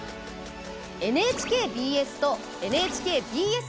ＮＨＫＢＳとＮＨＫＢＳ